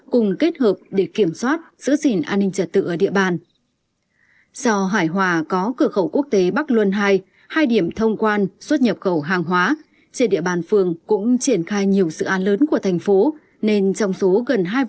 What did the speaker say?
cũng như chỉ huy công an phường